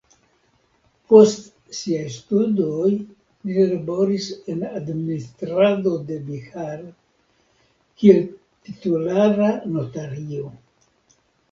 Post siaj studoj li laboris en administrado de Bihar kiel titulara notario.